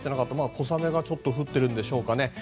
小雨がちょっと降っているんでしょうか。